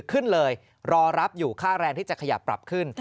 ขึ้นเลยรอรับอยู่ค่าแรงที่จะขยับปรับขึ้น